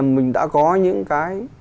mình đã có những cái